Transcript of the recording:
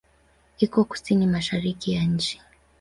Iko kusini-mashariki ya nchi.